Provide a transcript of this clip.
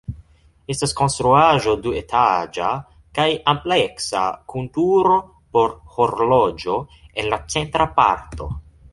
Estas konstruaĵo duetaĝa kaj ampleksa kun turo por horloĝo en la centra parto.